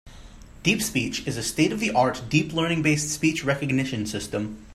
DeepSpeech is a state-of-the-art deep-learning-based speech recognition system.